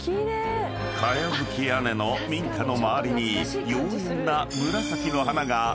［かやぶき屋根の民家の周りに妖艶な紫の花がりんと咲く